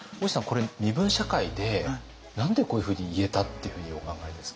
これ身分社会で何でこういうふうに言えたっていうふうにお考えですか？